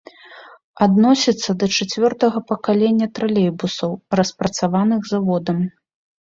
Адносіцца да чацвёртага пакалення тралейбусаў, распрацаваных заводам.